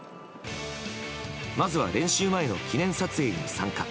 まずは練習前の記念撮影に参加。